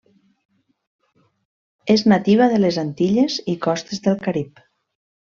És nativa de les Antilles i costes del Carib.